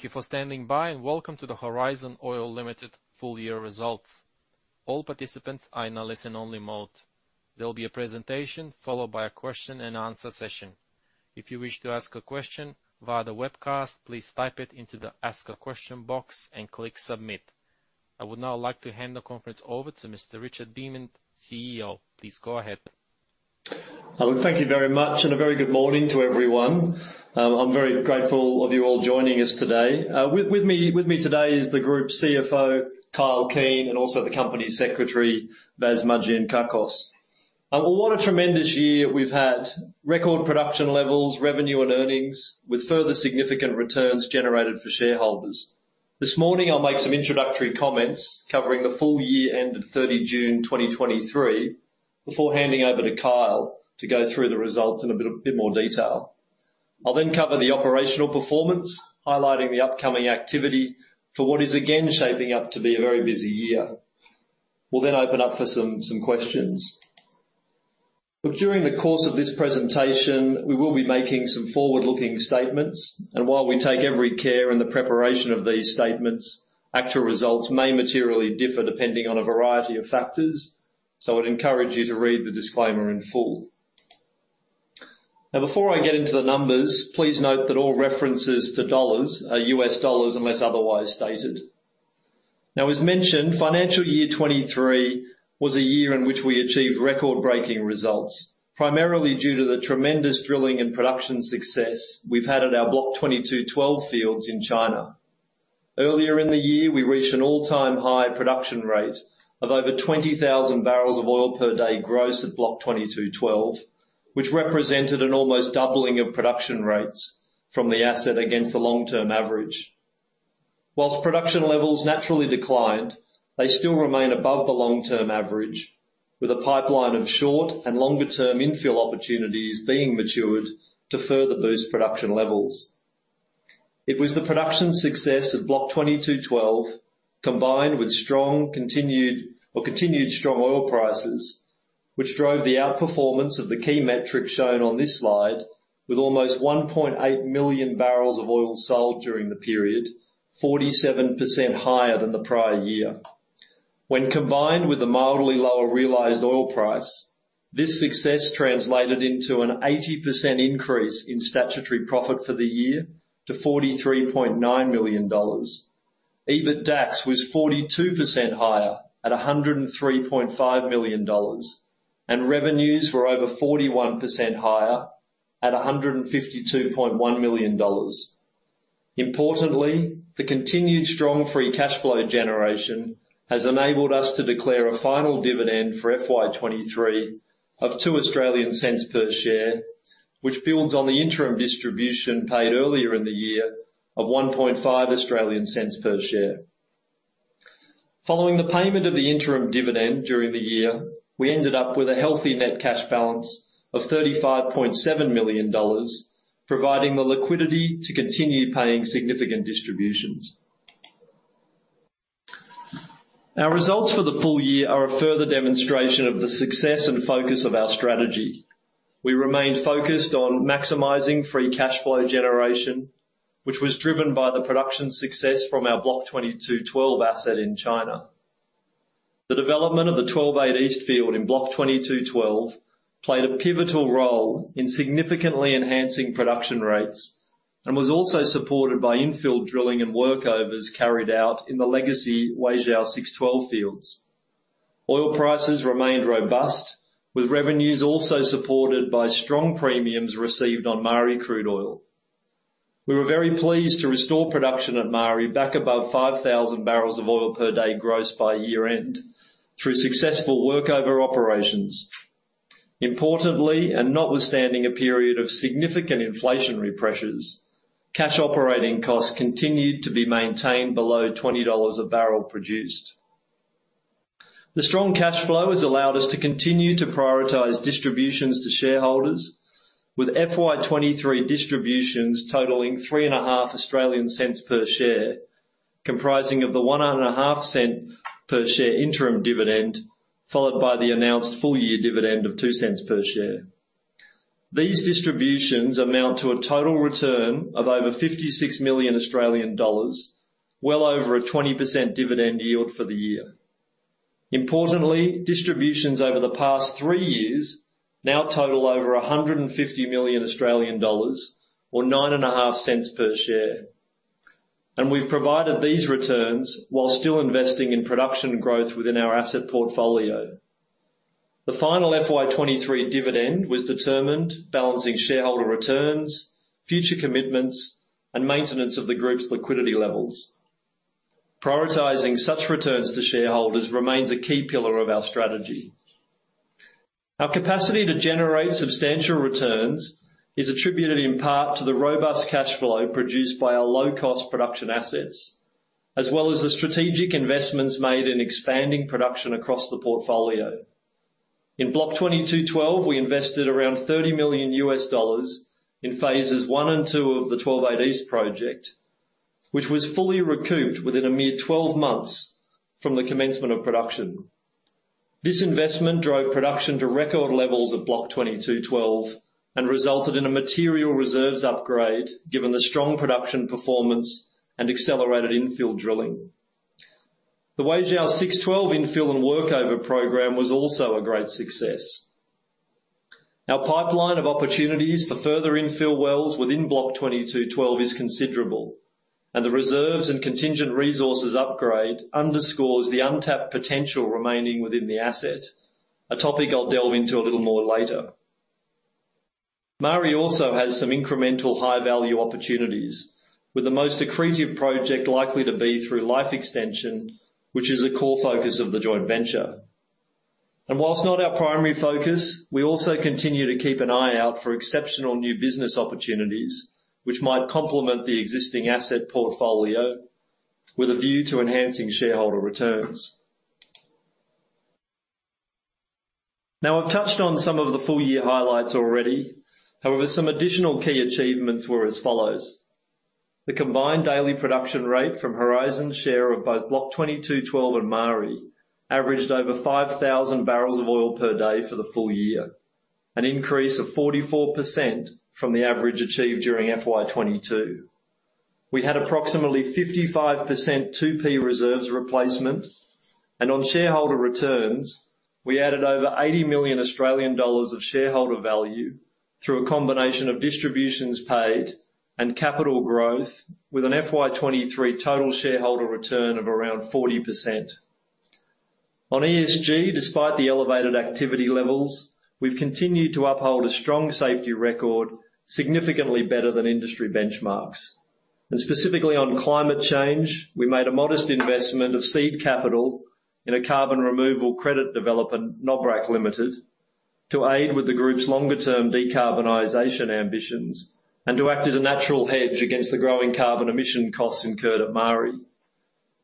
Thank you for standing by, and welcome to the Horizon Oil Limited full year results. All participants are in a listen-only mode. There will be a presentation, followed by a question and answer session. If you wish to ask a question via the webcast, please type it into the Ask a Question box and click Submit. I would now like to hand the conference over to Mr. Richard Beament, CEO. Please go ahead. Thank you very much, and a very good morning to everyone. I'm very grateful of you all joining us today. With me today is the Group CFO, Kyle Keen, and also the Company Secretary, Vas Margiankakos. What a tremendous year we've had! Record production levels, revenue, and earnings, with further significant returns generated for shareholders. This morning, I'll make some introductory comments covering the full year end of 30 June 2023, before handing over to Kyle to go through the results in a bit more detail. I'll then cover the operational performance, highlighting the upcoming activity for what is again shaping up to be a very busy year. We'll then open up for some questions. But during the course of this presentation, we will be making some forward-looking statements, and while we take every care in the preparation of these statements, actual results may materially differ depending on a variety of factors, so I'd encourage you to read the disclaimer in full. Now, before I get into the numbers, please note that all references to dollars are US dollars, unless otherwise stated. Now, as mentioned, financial year 2023 was a year in which we achieved record-breaking results, primarily due to the tremendous drilling and production success we've had at our Block 22/12 fields in China. Earlier in the year, we reached an all-time high production rate of over 20,000 barrels of oil per day gross at Block 22/12, which represented an almost doubling of production rates from the asset against the long-term average. While production levels naturally declined, they still remain above the long-term average, with a pipeline of short and longer-term infill opportunities being matured to further boost production levels. It was the production success of Block 22/12, combined with continued strong oil prices, which drove the outperformance of the key metrics shown on this slide, with almost 1.8 million barrels of oil sold during the period, 47% higher than the prior year. When combined with a mildly lower realized oil price, this success translated into an 80% increase in statutory profit for the year to $43.9 million. EBITDAX was 42% higher at $103.5 million, and revenues were over 41% higher at $152.1 million. Importantly, the continued strong free cash flow generation has enabled us to declare a final dividend for FY 2023 of 0.02 per share, which builds on the interim distribution paid earlier in the year of 0.015 per share. Following the payment of the interim dividend during the year, we ended up with a healthy net cash balance of $35.7 million, providing the liquidity to continue paying significant distributions. Our results for the full year are a further demonstration of the success and focus of our strategy. We remain focused on maximizing free cash flow generation, which was driven by the production success from our Block 22/12 asset in China. The development of the WZ 12-8 East field in Block 22/12 played a pivotal role in significantly enhancing production rates, and was also supported by infill drilling and workovers carried out in the legacy Weizhou 6-12 fields. Oil prices remained robust, with revenues also supported by strong premiums received on Maari crude oil. We were very pleased to restore production at Maari back above 5,000 barrels of oil per day gross by year-end, through successful workover operations. Importantly, and notwithstanding a period of significant inflationary pressures, cash operating costs continued to be maintained below $20 a barrel produced. The strong cash flow has allowed us to continue to prioritize distributions to shareholders, with FY 2023 distributions totaling 0.035 per share, comprising of the 0.015 per share interim dividend, followed by the announced full year dividend of 0.02 per share. These distributions amount to a total return of over 56 million Australian dollars, well over a 20% dividend yield for the year. Importantly, distributions over the past three years now total over 150 million Australian dollars, or 0.095 per share. We've provided these returns while still investing in production growth within our asset portfolio. The final FY 2023 dividend was determined balancing shareholder returns, future commitments, and maintenance of the group's liquidity levels. Prioritizing such returns to shareholders remains a key pillar of our strategy. Our capacity to generate substantial returns is attributed in part to the robust cash flow produced by our low-cost production assets, as well as the strategic investments made in expanding production across the portfolio. In Block 22/12, we invested around $30 million in phases 1 and 2 of the 12-8 East project, which was fully recouped within a mere 12 months from the commencement of production. This investment drove production to record levels of Block 22/12, and resulted in a material reserves upgrade, given the strong production performance and accelerated infill drilling. The WZ 6-12 infill and workover program was also a great success. Our pipeline of opportunities for further infill wells within Block 22/12 is considerable, and the reserves and contingent resources upgrade underscores the untapped potential remaining within the asset. A topic I'll delve into a little more later. Maari also has some incremental high-value opportunities, with the most accretive project likely to be through life extension, which is a core focus of the joint venture. While not our primary focus, we also continue to keep an eye out for exceptional new business opportunities, which might complement the existing asset portfolio with a view to enhancing shareholder returns. Now, I've touched on some of the full year highlights already. However, some additional key achievements were as follows: The combined daily production rate from Horizon's share of both Block 22/12 and Maari averaged over 5,000 barrels of oil per day for the full year. An increase of 44% from the average achieved during FY 2022. We had approximately 55% 2P reserves replacement, and on shareholder returns, we added over 80 million Australian dollars of shareholder value through a combination of distributions paid and capital growth, with an FY 2023 total shareholder return of around 40%. On ESG, despite the elevated activity levels, we've continued to uphold a strong safety record, significantly better than industry benchmarks. Specifically on climate change, we made a modest investment of seed capital in a carbon removal credit development, Nobrac Limited, to aid with the group's longer-term decarbonization ambitions. To act as a natural hedge against the growing carbon emission costs incurred at Maari.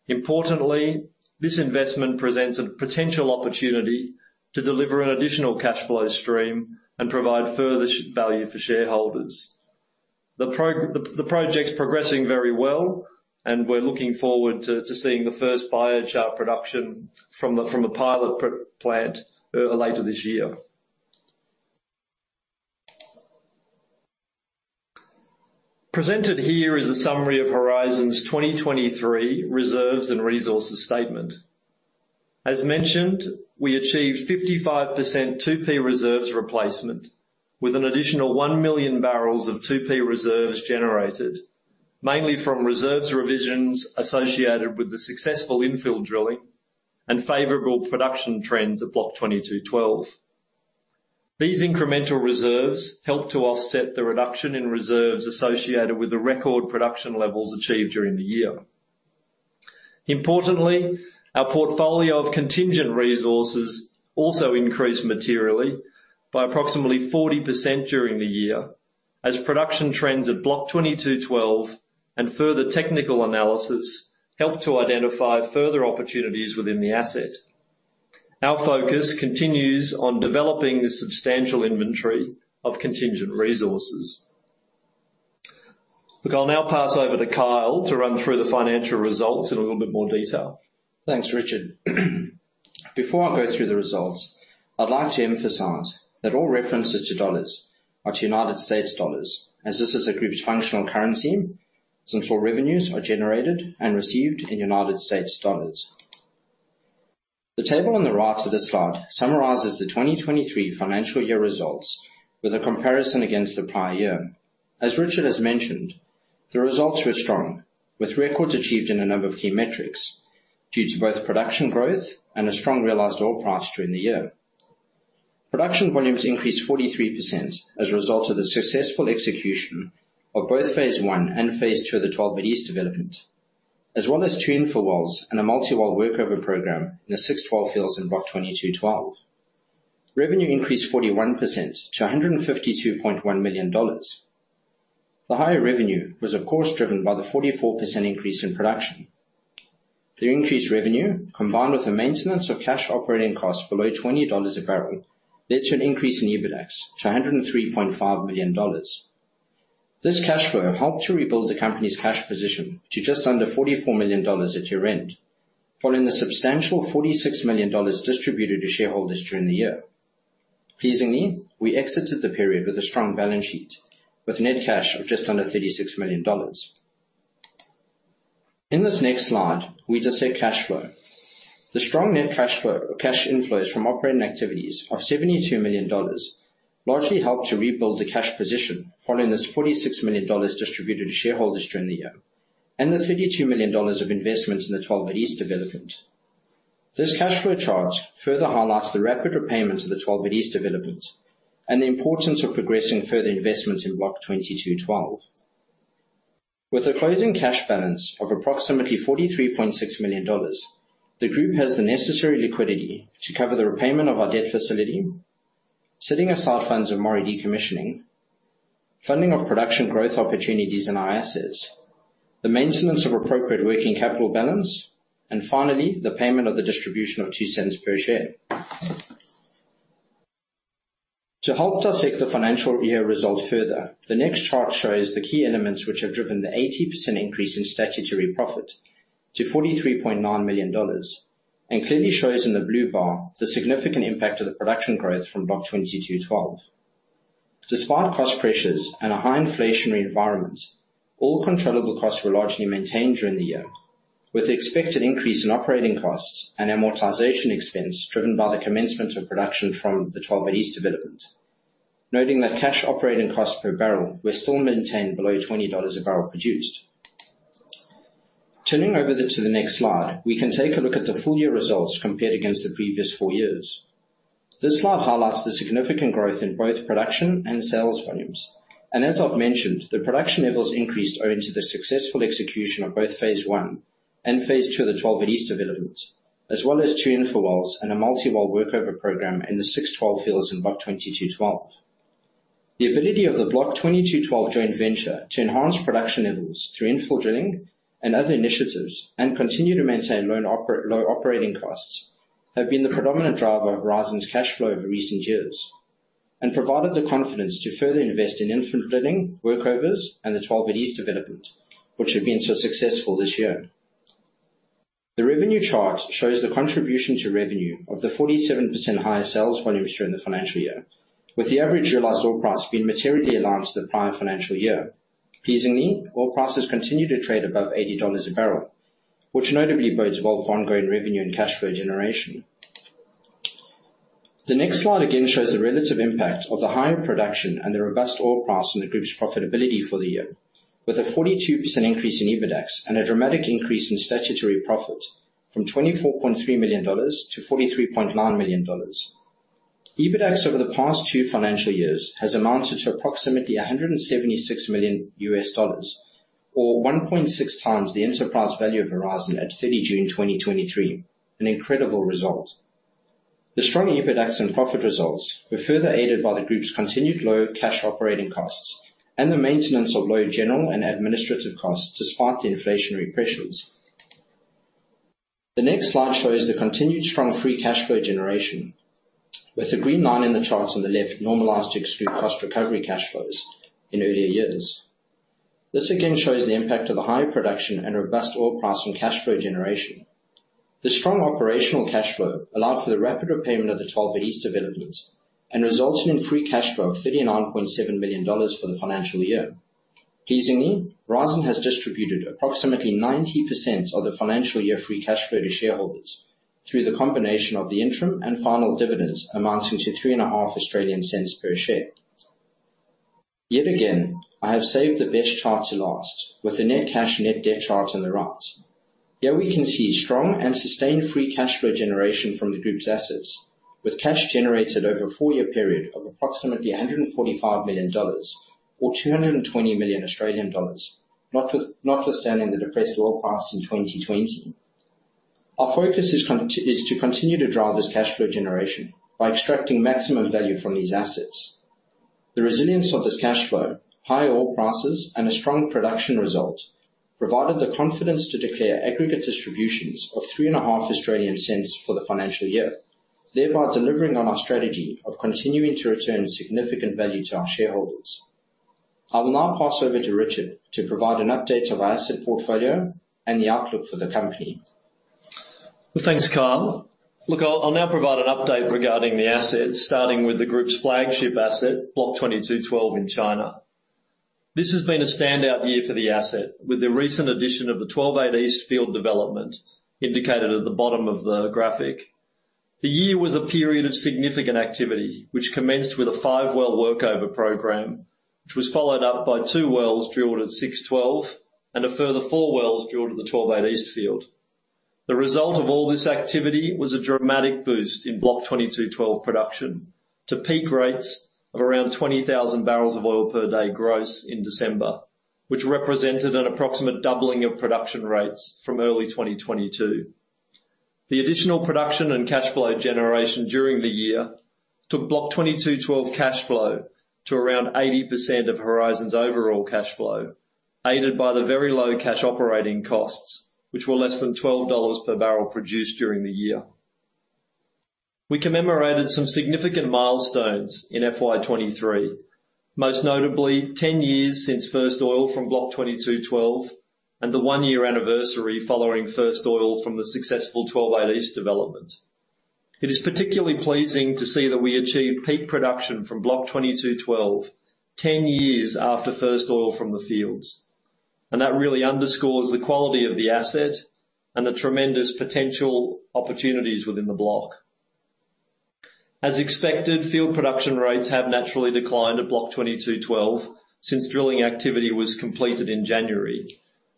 Importantly, this investment presents a potential opportunity to deliver an additional cash flow stream and provide further value for shareholders. The project's progressing very well, and we're looking forward to seeing the first biochar production from the pilot plant later this year. Presented here is a summary of Horizon's 2023 reserves and resources statement. As mentioned, we achieved 55% 2P reserves replacement, with an additional 1 million barrels of 2P reserves generated, mainly from reserves revisions associated with the successful infill drilling and favorable production trends at Block 22/12. These incremental reserves helped to offset the reduction in reserves associated with the record production levels achieved during the year. Importantly, our portfolio of contingent resources also increased materially by approximately 40% during the year, as production trends at Block 22/12 and further technical analysis helped to identify further opportunities within the asset. Our focus continues on developing this substantial inventory of contingent resources. Look, I'll now pass over to Kyle to run through the financial results in a little bit more detail. Thanks, Richard. Before I go through the results, I'd like to emphasize that all references to dollars are to U.S. dollars, as this is the group's functional currency, since all revenues are generated and received in U.S. dollars. The table on the right of this slide summarizes the 2023 financial year results with a comparison against the prior year. As Richard has mentioned, the results were strong, with records achieved in a number of key metrics due to both production growth and a strong realized oil price during the year. Production volumes increased 43% as a result of the successful execution of both phase 1 and phase 2 of the 12 East development, as well as 2 infill wells and a multi-well workover program in the 6-12 fields in Block 22/12. Revenue increased 41% to $152.1 million. The higher revenue was, of course, driven by the 44% increase in production. The increased revenue, combined with the maintenance of cash operating costs below $20 a barrel, led to an increase in EBITDAX to $103.5 million. This cash flow helped to rebuild the company's cash position to just under $44 million at year-end, following the substantial $46 million distributed to shareholders during the year. Pleasingly, we exited the period with a strong balance sheet, with net cash of just under $36 million. In this next slide, we just see cash flow. The strong net cash flow or cash inflows from operating activities of $72 million largely helped to rebuild the cash position, following this $46 million distributed to shareholders during the year, and the $32 million of investment in the 12 East development. This cash flow chart further highlights the rapid repayment of the 12 East development, and the importance of progressing further investments in Block 22/12. With a closing cash balance of approximately $43.6 million, the group has the necessary liquidity to cover the repayment of our debt facility, setting aside funds for Maari decommissioning, funding of production growth opportunities in our assets, the maintenance of appropriate working capital balance, and finally, the payment of the distribution of 0.02 per share. To help dissect the financial year result further, the next chart shows the key elements which have driven the 80% increase in statutory profit to $43.9 million, and clearly shows in the blue bar the significant impact of the production growth from Block 22/12. Despite cost pressures and a high inflationary environment, all controllable costs were largely maintained during the year, with the expected increase in operating costs and amortization expense driven by the commencement of production from the WZ 12-8 East development. Noting that cash operating costs per barrel were still maintained below $20 a barrel produced. Turning over to the next slide, we can take a look at the full year results compared against the previous 4 years. This slide highlights the significant growth in both production and sales volumes. And as I've mentioned, the production levels increased owing to the successful execution of both phase 1 and phase 2 of the WZ 12-8 East development, as well as 2 infill wells and a multi-well workover program in the WZ 6-12 fields in Block 22/12. The ability of the Block 22/12 joint venture to enhance production levels through infill drilling and other initiatives, and continue to maintain low operating costs, have been the predominant driver of Horizon's cash flow in recent years, and provided the confidence to further invest in infill drilling, workovers, and the 12-8 East development, which have been so successful this year. The revenue chart shows the contribution to revenue of the 47% higher sales volumes during the financial year, with the average realized oil price being materially in line to the prior financial year. Pleasingly, oil prices continue to trade above $80 a barrel, which notably bodes well for ongoing revenue and cash flow generation. The next slide again shows the relative impact of the higher production and the robust oil price on the group's profitability for the year, with a 42% increase in EBITDAX and a dramatic increase in statutory profit from $24.3 million to $43.9 million. EBITDAX over the past two financial years has amounted to approximately $176 million, or 1.6 times the enterprise value of Horizon at 30 June 2023. An incredible result. The strong EBITDAX and profit results were further aided by the group's continued low cash operating costs and the maintenance of low general and administrative costs despite the inflationary pressures. The next slide shows the continued strong free cash flow generation, with the green line in the chart on the left normalized to exclude cost recovery cash flows in earlier years. This again shows the impact of the higher production and robust oil price on cash flow generation. The strong operational cash flow allowed for the rapid repayment of the 12 at East developments and resulting in free cash flow of $39.7 million for the financial year. Pleasingly, Horizon has distributed approximately 90% of the financial year free cash flow to shareholders through the combination of the interim and final dividends, amounting to 0.035 per share. Yet again, I have saved the best chart to last with the net cash, net debt chart on the right. Here, we can see strong and sustained free cash flow generation from the group's assets, with cash generated over a 4-year period of approximately $145 million or 220 million Australian dollars, notwithstanding the depressed oil price in 2020. Our focus is to continue to drive this cash flow generation by extracting maximum value from these assets. The resilience of this cash flow, high oil prices, and a strong production result, provided the confidence to declare aggregate distributions of 0.035 for the financial year, thereby delivering on our strategy of continuing to return significant value to our shareholders. I will now pass over to Richard to provide an update of our asset portfolio and the outlook for the company. Well, thanks, Kyle. Look, I'll, I'll now provide an update regarding the assets, starting with the group's flagship asset, Block 22/12, in China. This has been a standout year for the asset, with the recent addition of the 12-8 East field development indicated at the bottom of the graphic. The year was a period of significant activity, which commenced with a 5-well workover program, which was followed up by 2 wells drilled at 6-12, and a further 4 wells drilled at the 12-8 East field. The result of all this activity was a dramatic boost in Block 22/12 production, to peak rates of around 20,000 barrels of oil per day gross in December, which represented an approximate doubling of production rates from early 2022. The additional production and cash flow generation during the year took Block 22/12 cash flow to around 80% of Horizon's overall cash flow, aided by the very low cash operating costs, which were less than $12 per barrel produced during the year. We commemorated some significant milestones in FY23, most notably 10 years since first oil from Block 22/12, and the one-year anniversary following first oil from the successful 12-8 East development. It is particularly pleasing to see that we achieved peak production from Block 22/12, 10 years after first oil from the fields, and that really underscores the quality of the asset and the tremendous potential opportunities within the block. As expected, field production rates have naturally declined at Block 22/12 since drilling activity was completed in January,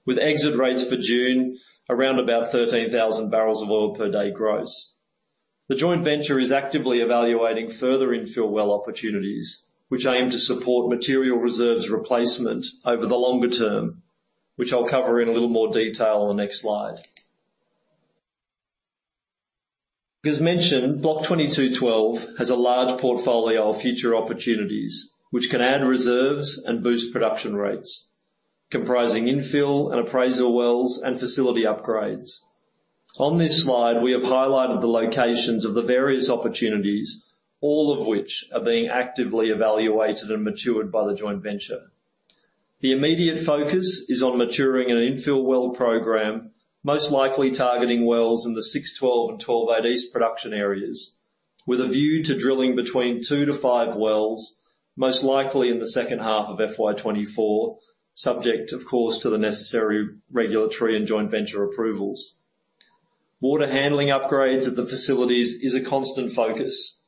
with exit rates for June around about 13,000 barrels of oil per day gross. The joint venture is actively evaluating further infill well opportunities, which aim to support material reserves replacement over the longer term, which I'll cover in a little more detail on the next slide. As mentioned, Block 22/12 has a large portfolio of future opportunities, which can add reserves and boost production rates, comprising infill and appraisal wells and facility upgrades.... On this slide, we have highlighted the locations of the various opportunities, all of which are being actively evaluated and matured by the joint venture. The immediate focus is on maturing an infill well program, most likely targeting wells in the 6-12 and 12-8 East production areas, with a view to drilling between 2-5 wells, most likely in the second half of FY 2024, subject, of course, to the necessary regulatory and joint venture approvals. Water handling upgrades at the facilities is a constant focus,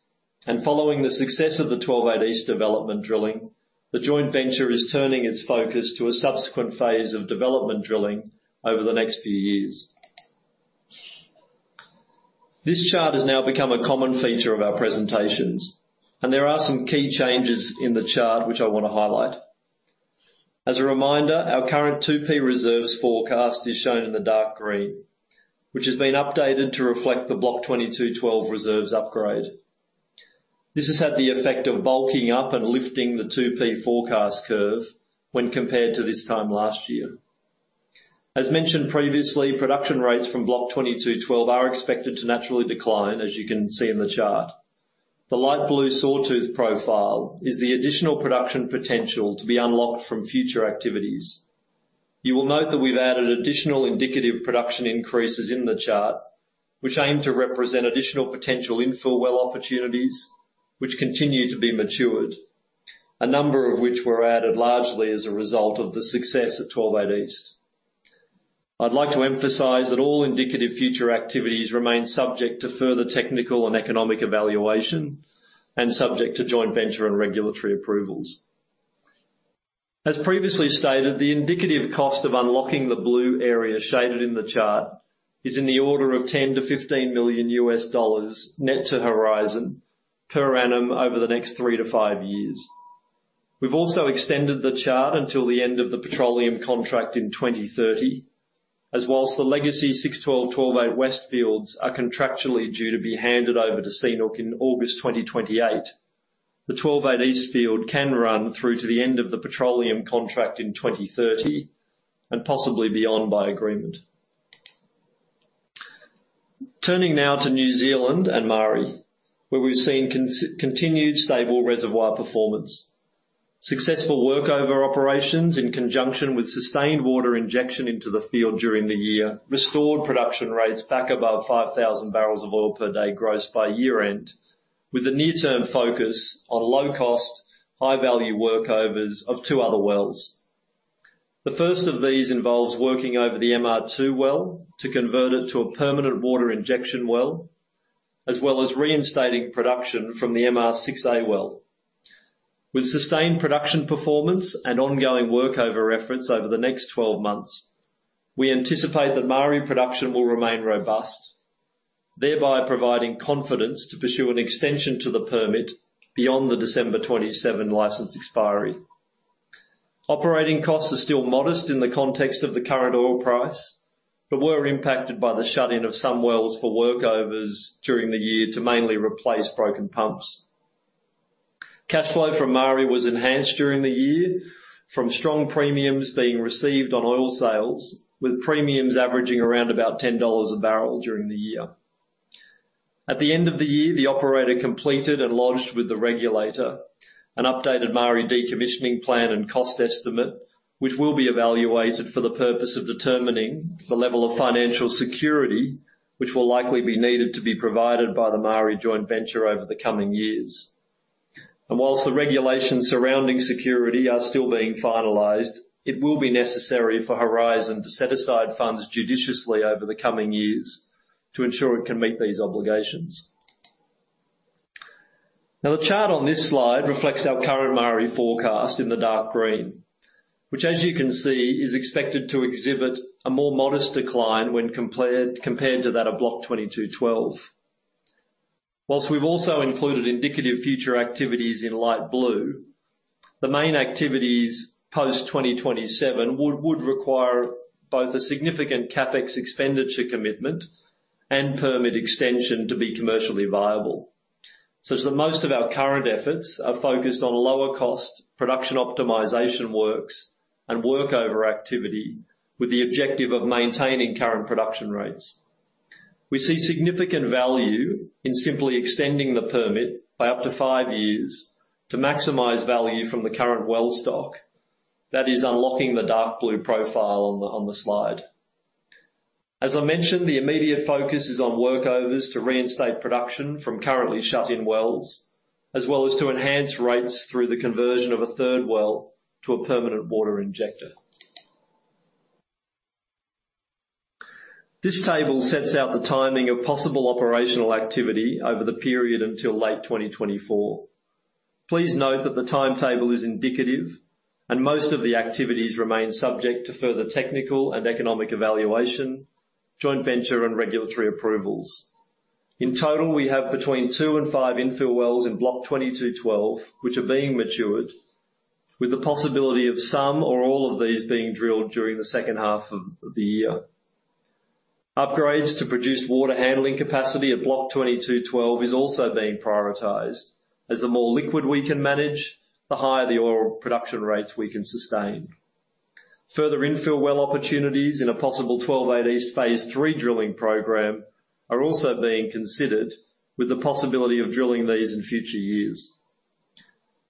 and following the success of the 12-8 East development drilling, the joint venture is turning its focus to a subsequent phase of development drilling over the next few years. This chart has now become a common feature of our presentations, and there are some key changes in the chart, which I want to highlight. As a reminder, our current 2P reserves forecast is shown in the dark green, which has been updated to reflect the Block 22/12 reserves upgrade. This has had the effect of bulking up and lifting the 2P forecast curve when compared to this time last year. As mentioned previously, production rates from Block 22/12 are expected to naturally decline, as you can see in the chart. The light blue sawtooth profile is the additional production potential to be unlocked from future activities. You will note that we've added additional indicative production increases in the chart, which aim to represent additional potential infill well opportunities, which continue to be matured, a number of which were added largely as a result of the success at 12-8 East. I'd like to emphasize that all indicative future activities remain subject to further technical and economic evaluation and subject to joint venture and regulatory approvals. As previously stated, the indicative cost of unlocking the blue area shaded in the chart is in the order of $10 million-$15 million net to Horizon per annum over the next 3-5 years. We've also extended the chart until the end of the petroleum contract in 2030, as whilst the legacy 6-12, 12-8 West fields are contractually due to be handed over to CNOOC in August 2028, the 12-8 East field can run through to the end of the petroleum contract in 2030 and possibly beyond by agreement. Turning now to New Zealand and Maari, where we've seen continued stable reservoir performance. Successful workover operations, in conjunction with sustained water injection into the field during the year, restored production rates back above 5,000 barrels of oil per day gross by year-end, with a near-term focus on low-cost, high-value workovers of two other wells. The first of these involves working over the MR-2 well to convert it to a permanent water injection well, as well as reinstating production from the MR-6A well. With sustained production performance and ongoing workover reference over the next 12 months, we anticipate that Maari production will remain robust, thereby providing confidence to pursue an extension to the permit beyond the December 2027 license expiry. Operating costs are still modest in the context of the current oil price, but were impacted by the shut-in of some wells for workovers during the year to mainly replace broken pumps. Cash flow from Maari was enhanced during the year from strong premiums being received on oil sales, with premiums averaging around about $10 a barrel during the year. At the end of the year, the operator completed and lodged with the regulator an updated Maari decommissioning plan and cost estimate, which will be evaluated for the purpose of determining the level of financial security, which will likely be needed to be provided by the Maari joint venture over the coming years. While the regulations surrounding security are still being finalized, it will be necessary for Horizon to set aside funds judiciously over the coming years to ensure it can meet these obligations. Now, the chart on this slide reflects our current Maari forecast in the dark green, which, as you can see, is expected to exhibit a more modest decline when compared to that of Block 22/12. While we've also included indicative future activities in light blue, the main activities post 2027 would, would require both a significant CapEx expenditure commitment and permit extension to be commercially viable. So, as most of our current efforts are focused on lower cost production optimization works and workover activity with the objective of maintaining current production rates. We see significant value in simply extending the permit by up to five years to maximize value from the current well stock. That is unlocking the dark blue profile on the slide. As I mentioned, the immediate focus is on workovers to reinstate production from currently shut-in wells, as well as to enhance rates through the conversion of a third well to a permanent water injector. This table sets out the timing of possible operational activity over the period until late 2024. Please note that the timetable is indicative and most of the activities remain subject to further technical and economic evaluation, joint venture, and regulatory approvals. In total, we have between 2 and 5 infill wells in Block 22/12, which are being matured, with the possibility of some or all of these being drilled during the second half of the year. Upgrades to produced water handling capacity at Block 22/12 is also being prioritized, as the more liquid we can manage, the higher the oil production rates we can sustain… Further infill well opportunities in a possible 12-8 East Phase 3 drilling program are also being considered, with the possibility of drilling these in future years.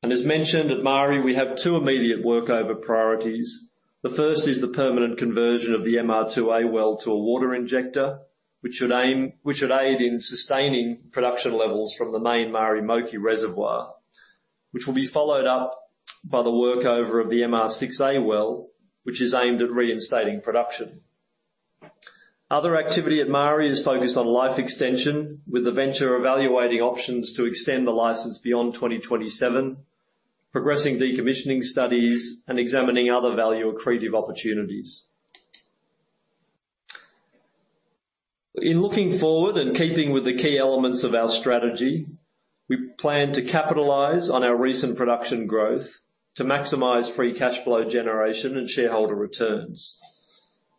As mentioned, at Maari, we have 2 immediate workover priorities. The first is the permanent conversion of the MR2A well to a water injector, which should aid in sustaining production levels from the main Maari Moki Reservoir. Which will be followed up by the workover of the MR6A well, which is aimed at reinstating production. Other activity at Maari is focused on life extension, with the venture evaluating options to extend the license beyond 2027, progressing decommissioning studies and examining other value-accretive opportunities. In looking forward and keeping with the key elements of our strategy, we plan to capitalize on our recent production growth to maximize free cash flow generation and shareholder returns.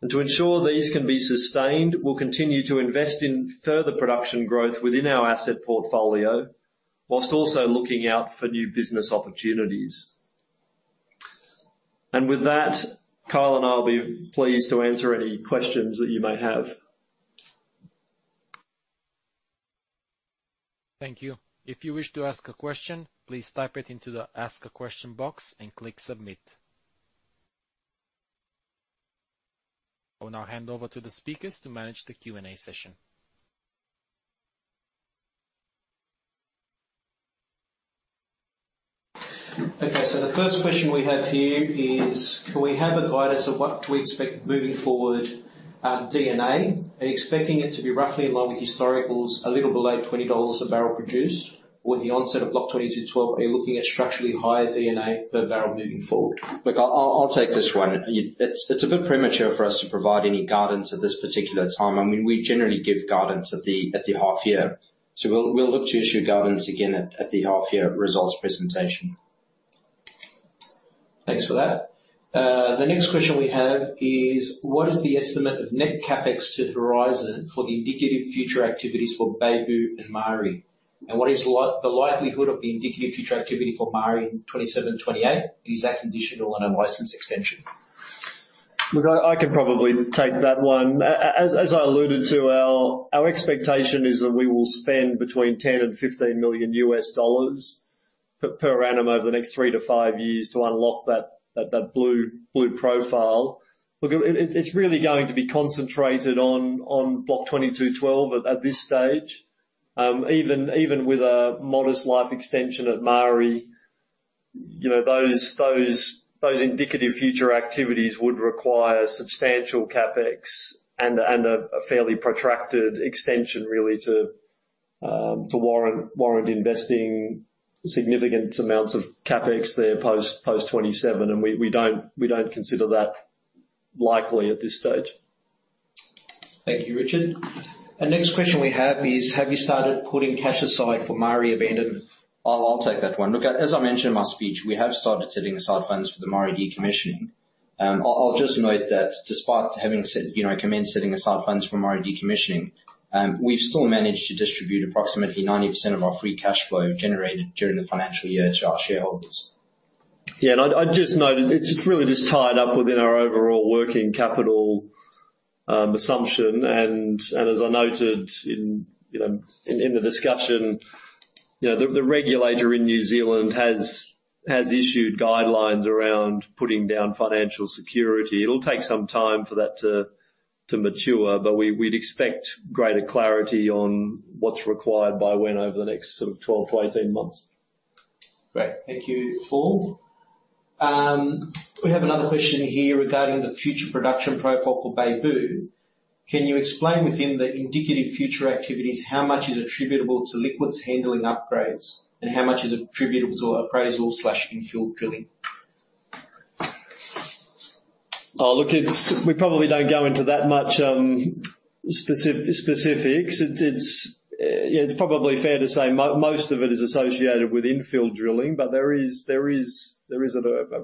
To ensure these can be sustained, we'll continue to invest in further production growth within our asset portfolio, whilst also looking out for new business opportunities. With that, Kyle and I will be pleased to answer any questions that you may have. Thank you. If you wish to ask a question, please type it into the Ask a Question box and click Submit. I will now hand over to the speakers to manage the Q&A session. Okay, so the first question we have here is: Can we have a guidance of what to expect moving forward at DD&A? Are you expecting it to be roughly in line with historicals, a little below $20 a barrel produced? With the onset of Block 22/12, are you looking at structurally higher DD&A per barrel moving forward? Look, I'll take this one. It's a bit premature for us to provide any guidance at this particular time. I mean, we generally give guidance at the half year. So we'll look to issue guidance again at the half year results presentation. Thanks for that. The next question we have is: What is the estimate of net CapEx to Horizon for the indicative future activities for Beibu and Maari? And what is the likelihood of the indicative future activity for Maari in 2027, 2028? Is that conditional on a license extension? Look, I can probably take that one. As I alluded to, our expectation is that we will spend between $10 million and $15 million per annum over the next three to five years to unlock that blue profile. Look, it's really going to be concentrated on Block 22/12 at this stage. Even with a modest life extension at Maari, you know, those indicative future activities would require substantial CapEx and a fairly protracted extension really to warrant investing significant amounts of CapEx there post-2027. We don't consider that likely at this stage. Thank you, Richard. The next question we have is: Have you started putting cash aside for Maari abandonment? I'll take that one. Look, as I mentioned in my speech, we have started setting aside funds for the Maari decommissioning. I'll just note that despite having set, you know, commenced setting aside funds for Maari decommissioning, we've still managed to distribute approximately 90% of our free cash flow generated during the financial year to our shareholders. Yeah, and I'd just note it's really just tied up within our overall working capital assumption. And as I noted in, you know, in the discussion, you know, the regulator in New Zealand has issued guidelines around putting down financial security. It'll take some time for that to mature, but we'd expect greater clarity on what's required by when over the next sort of 12-18 months. Great. Thank you, Kyle. We have another question here regarding the future production profile for Beibu. Can you explain, within the indicative future activities, how much is attributable to liquids handling upgrades, and how much is attributable to appraisal slash infill drilling? We probably don't go into that much specifics. Yeah, it's probably fair to say most of it is associated with infill drilling, but there is a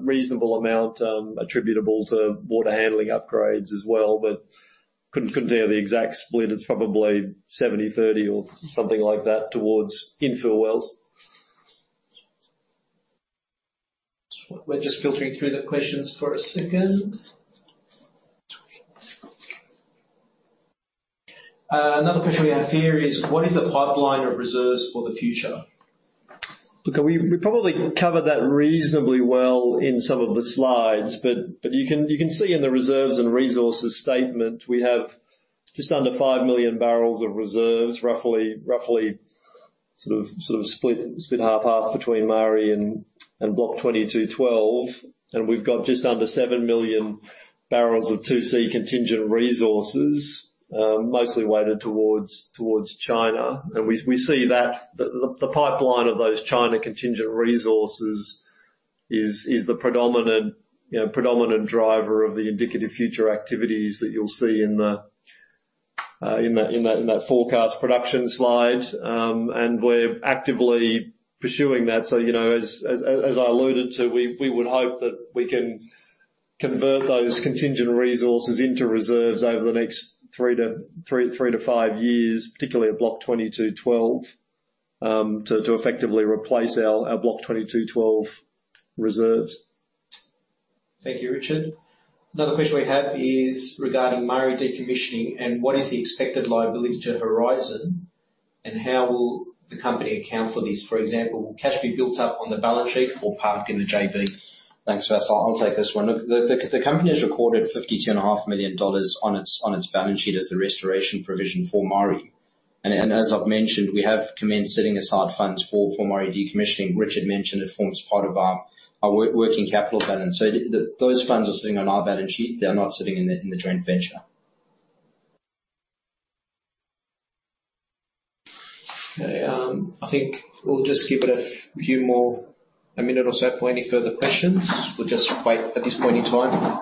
reasonable amount attributable to water handling upgrades as well, but couldn't give you the exact split. It's probably 70/30 or something like that, towards infill wells. We're just filtering through the questions for a second. Another question we have here is: What is the pipeline of reserves for the future? Look, we probably covered that reasonably well in some of the slides, but you can see in the reserves and resources statement, we have just under 5 million barrels of reserves, roughly sort of split half-half between Maari and Block 22/12. And we've got just under 7 million barrels of 2C contingent resources, mostly weighted towards China. And we see that the pipeline of those China contingent resources is the predominant, you know, predominant driver of the indicative future activities that you'll see in that forecast production slide. And we're actively pursuing that. So, you know, as I alluded to, we would hope that we can convert those contingent resources into reserves over the next 3-5 years, particularly at Block 22/12, to effectively replace our Block 22/12 reserves. Thank you, Richard. Another question we have is regarding Maari decommissioning, and what is the expected liability to Horizon, and how will the company account for this? For example, will cash be built up on the balance sheet or parked in the JV? Thanks, Vas, I'll take this one. Look, the company has recorded $52.5 million on its balance sheet as the restoration provision for Maari. As I've mentioned, we have commenced setting aside funds for Maari decommissioning. Richard mentioned it forms part of our working capital balance. So those funds are sitting on our balance sheet. They're not sitting in the joint venture. Okay, I think we'll just give it a few more... a minute or so for any further questions. We'll just wait at this point in time.